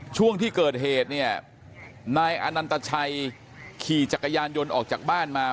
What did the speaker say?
ช่วงที่เกิดเหตุเนี่ยนายอนันตชัยขี่จักรยานยนต์ออกจากบ้านมา